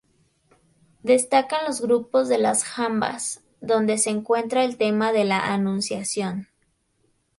Destacan los grupos de las jambas, donde se encuentra el tema de la Anunciación.